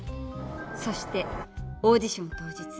そしてオーディション当日。